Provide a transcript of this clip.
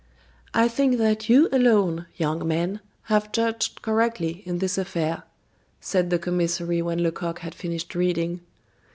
"I think that you alone, young man, have judged correctly in this affair," said the commissary when Lecoq had finished reading.